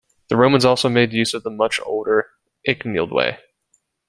The Romans also made use of the much older Icknield Way.